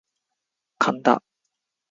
神田